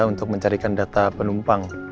untuk mencarikan data penumpang